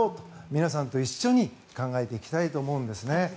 皆さんと一緒に考えていきたいと思うんですね。